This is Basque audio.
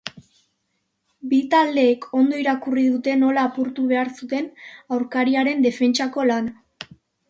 Bi taldeek ondo irakurri dute nola apurtu behar zuten aurkariaren defentsako lana.